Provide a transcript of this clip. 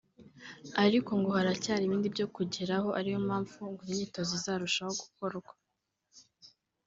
ariko ngo haracyari ibindi byo kugeraho ari yo mpamvu ngo imyitozo izarushaho gukorwa